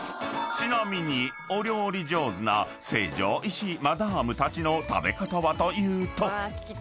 ［ちなみにお料理上手な成城石井マダムたちの食べ方はというと］